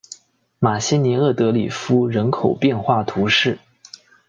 马西尼厄德里夫人口变化图示